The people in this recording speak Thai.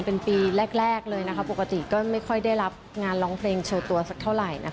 เป็นปีแรกเลยนะคะปกติก็ไม่ค่อยได้รับงานร้องเพลงโชว์ตัวสักเท่าไหร่นะคะ